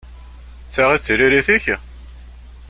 D ta i d tiririt-ik?